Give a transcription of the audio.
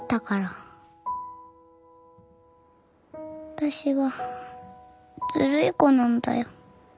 私はずるい子なんだよ。